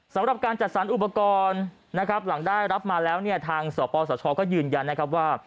สำหรับการจัดสรรอุปกรณ์หลังได้รับมาแล้วทางสปสชก็ยืนยันว่า